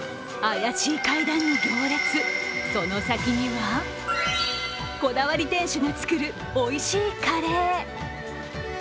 怪しい階段に行列、その先にはこだわり店主が作るおいしいカレー。